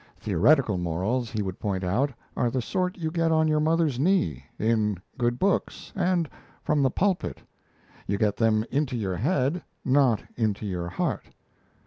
Theoretical morals, he would point out, are the sort you get on your mother's knee, in good books, and from the pulpit. You get them into your head, not into your heart.